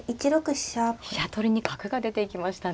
飛車取りに角が出ていきましたね。